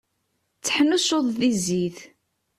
Tteḥnuccuḍ di zzit.